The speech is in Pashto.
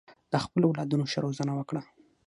د خپلو اولادونو ښه روزنه وکړه.